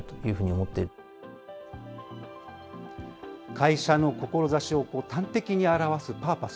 会社の志を端的に表すパーパス。